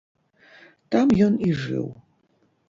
Там ён і жыў.